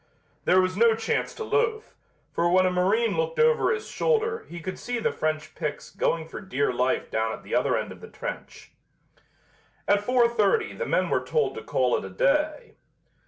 There was no chance to loaf, for when a marine looked over his shoulder he could see the French picks going for dear life down at the other end of the trench. At four thirty the men were told to call it a day.